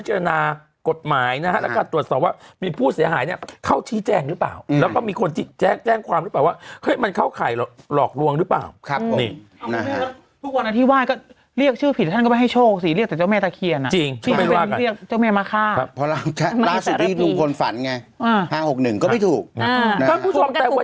ทุกวันนั้นที่ไหว้ก็เรียกชื่อผิดแล้วท่านก็ไม่ให้โชคสิเรียกแต่เจ้าแม่ตะเคียนน่ะจริงที่เป็นเรียกเจ้าแม่มาฆ่าเพราะล่าสุดที่หนูคงฝันไง๕๖๑ก็ไม่ถูก